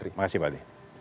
terima kasih pak d